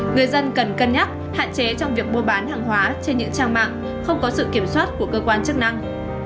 người dân cần cân nhắc hạn chế trong việc mua bán hàng hóa trên những trang mạng không có sự kiểm soát của cơ quan chức năng